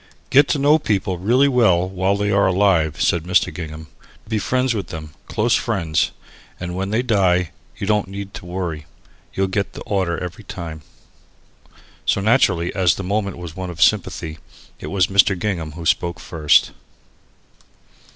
"Get to know people really well while they are alive," said Mr. Gingham; "be friends with them, close friends and then when they die you don't need to worry. You'll get the order every time." So, naturally, as the moment was one of sympathy, it was Mr. Gingham who spoke first.